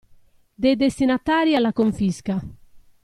Dei destinatari alla confisca.